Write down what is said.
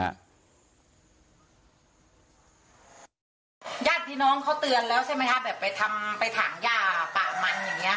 ญาติพี่น้องเขาเตือนแล้วใช่ไหมคะแบบไปทำไปถังย่าป่ามันอย่างเงี้